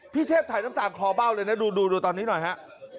เทพถ่ายน้ำตาลคลอเบ้าเลยนะดูตอนนี้หน่อยฮะ